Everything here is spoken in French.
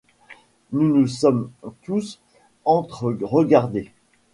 Nous nous sommes tous entre-regardés.